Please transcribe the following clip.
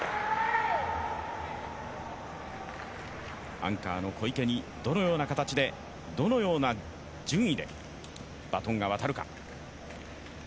アンカーの小池にどのような形で、どのような順位でバトンが渡るか。